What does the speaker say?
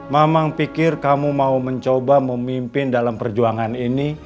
mamang pikir kamu mau mencoba memimpin dalam perjuangan ini